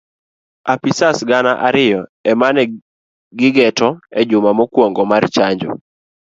Apisas gana ariyo emane gigeto ejuma mokuongo mar chanjo.